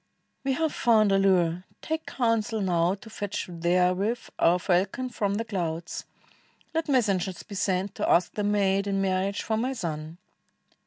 we have found a lure; take counsel now To fetch therewith our falcon from the clouds. Let messengers be sent to ask the maid In marriage for my son."